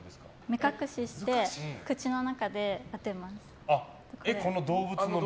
目隠しして口の中で当てます。